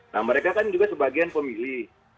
nah mereka kan juga sebagian pemilih